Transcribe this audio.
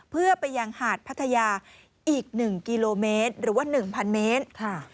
เพื่อไปยังหาดพัทยาอีกหนึ่งกิโลเมตรหรือว่าหนึ่งพันเมตรค่ะ